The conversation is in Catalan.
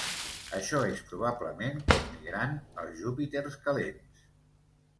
Així és probablement com migrant els Júpiters calents.